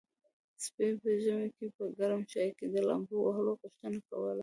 سپي په ژمي کې په ګرم چای کې د لامبو وهلو غوښتنه کوله.